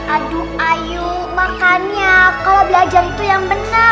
aduh ayu makannya kalau belajar itu yang benar